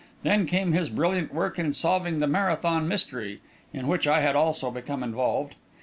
Then came his brilliant work in solving the Marathon mystery, in which I had also become involved.